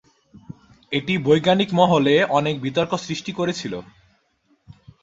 এটি বৈজ্ঞানিক মহলে অনেক বিতর্ক সৃষ্টি করেছিল।